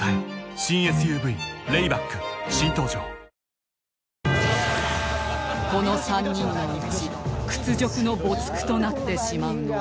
世相を捉えたこの３人のうち屈辱の没句となってしまうのは